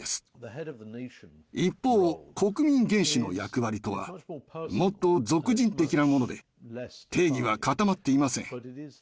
一方国民元首の役割とはもっと属人的なもので定義は固まっていません。